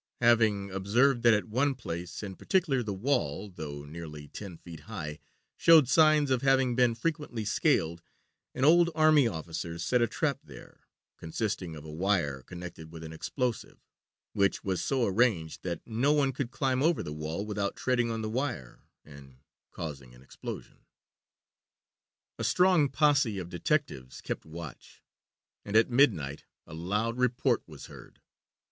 Having observed that at one place, in particular, the wall, though nearly ten feet high, showed signs of having been frequently scaled, an old army officer set a trap there, consisting of a wire connected with an explosive, which was so arranged that no one could climb over the wall without treading on the wire and causing an explosion. A strong posse of detectives kept watch, and at midnight a loud report was heard.